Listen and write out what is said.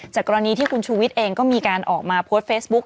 กรณีที่คุณชูวิทย์เองก็มีการออกมาโพสต์เฟซบุ๊ค